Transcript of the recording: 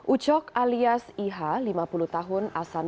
ucok alias iha lima puluh tahun